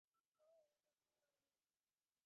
তিনি হয়ে উঠেন এক দৃঢ়চেতা সৈনিক।